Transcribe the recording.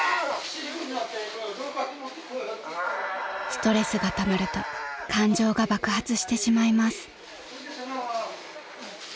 ［ストレスがたまると感情が爆発してしまいます］